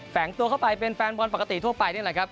แฝงตัวเข้าไปเป็นแฟนบอลปกติทั่วไปนี่แหละครับ